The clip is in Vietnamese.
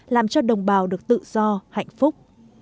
làm cho đồng bào được tự do hạnh phúc